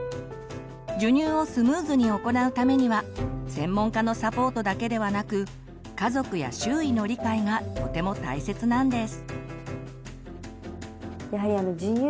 授乳をスムーズに行うためには専門家のサポートだけではなく家族や周囲の理解がとても大切なんです。